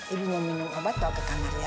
ibu mau minum obat bawa ke kamar ya